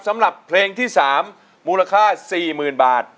สำหรับเพลงที่๓มูลค่า๔๐๐๐บาท